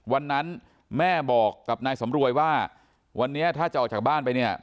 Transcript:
วันนั้นแม่บอกกับนายสำรวยว่าวันนี้ถ้าจะออกจากบ้านไปเนี่ย